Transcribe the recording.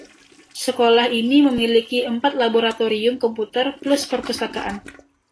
Sekolah ini memiliki empat laboratorium komputer plus perpustakaan.